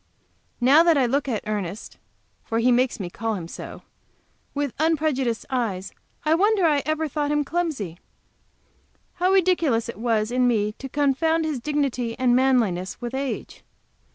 Now that I look at Ernest (for he makes me call him so) with unprejudiced eyes, I wonder I ever thought him clumsy. And how ridiculous it was in me to confound his dignity and manliness with age!